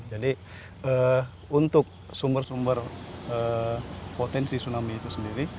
jadi untuk sumber sumber potensi tsunami itu sendiri